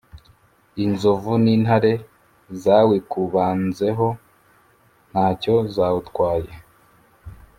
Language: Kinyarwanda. Inzovu n’intare zawikubanzeho ntacyo zawutwaye,